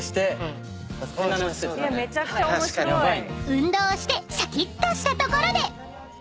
［運動してしゃきっとしたところで］